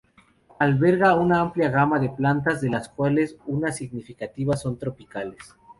Alberga una amplia gama de plantas, de las cuales una parte significativa son tropicales.